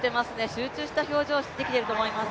集中した非常ができていると思います。